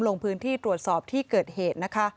ลงพื้นที่ตรวจสอบที่เกิดเหตุนะคะ